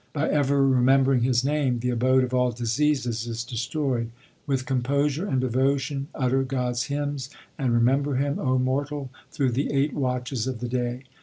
By ever remembering His name The abode of all diseases is destroyed. With composure and devotion utter God s hymns, And remember Him, O mortal, through the eight watches of the day.